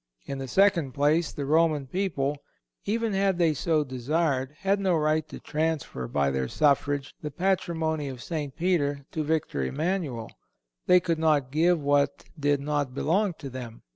In the second place, the Roman people, even had they so desired, had no right to transfer, by their suffrage, the Patrimony of St. Peter to Victor Emmanuel. They could not give what did not belong to them.